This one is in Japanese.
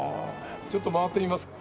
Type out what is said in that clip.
ちょっと回ってみますか？